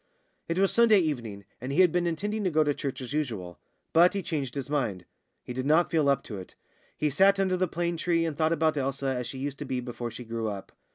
It was Sunday evening, and he had been intending to go to church as usual. But he changed his mind. He did not feel up to it. He sat under the plane tree and thought about Elsa as she used to be before she grew up.